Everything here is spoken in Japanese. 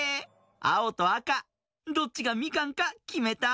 あおとあかどっちがみかんかきめた？